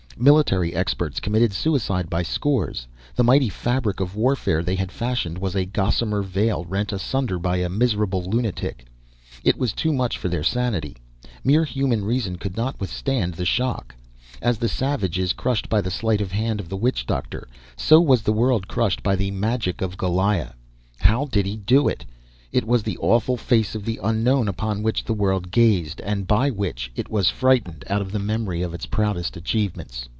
Military experts committed suicide by scores. The mighty fabric of warfare they had fashioned was a gossamer veil rent asunder by a miserable lunatic. It was too much for their sanity. Mere human reason could not withstand the shock. As the savage is crushed by the sleight of hand of the witch doctor, so was the world crushed by the magic of Goliah. How did he do it? It was the awful face of the Unknown upon which the world gazed and by which it was frightened out of the memory of its proudest achievements.